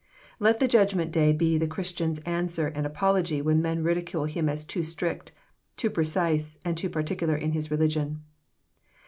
Let the judgment day be the Christian's answer and apology when men ridicule him as too strict, too pre cise, and too particular in his religion.